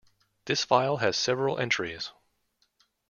This file has several entries.